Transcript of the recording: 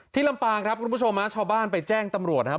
ลำปางครับคุณผู้ชมฮะชาวบ้านไปแจ้งตำรวจนะครับ